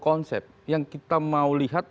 konsep yang kita mau lihat